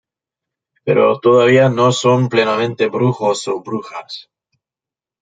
Pero todavía no son plenamente brujos o brujas.